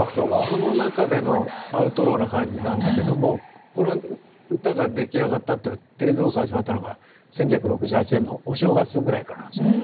その中でのアウトローな感じなんだけどもこの歌が出来上がったテレビ放送が始まったのが１９６８年のお正月ぐらいからなんですよ。